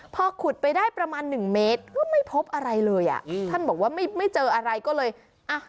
พอขุดไปได้ประมาณหนึ่งเมตรก็ไม่พบอะไรเลยอ่ะอืมท่านบอกว่าไม่ไม่เจออะไรก็เลยอ่ะ